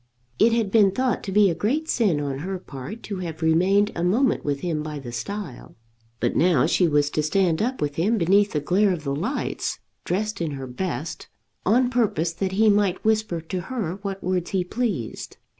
It had been thought to be a great sin on her part to have remained a moment with him by the stile; but now she was to stand up with him beneath the glare of the lights, dressed in her best, on purpose that he might whisper to her what words he pleased.